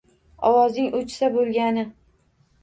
Ovozing o`chsa bo`lgani